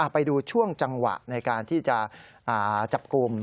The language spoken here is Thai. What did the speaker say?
ไปดูช่วงจังหวะในการที่จะจับกลุ่ม